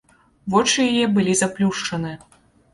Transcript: Вочы яе былі заплюшчаны.